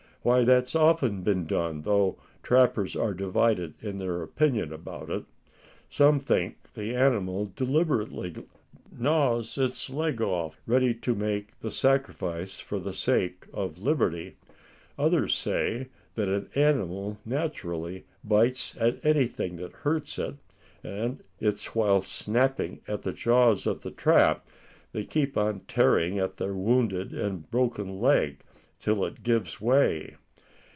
"Why that's often been done, though trappers are divided in their opinion about it. Some think the animal deliberately gnaws its leg off, ready to make the sacrifice for the sake of liberty. Others say that an animal naturally bites at anything that hurts it; and it's while snapping at the jaws of the trap they keep on tearing at their wounded and broken leg, till it gives way.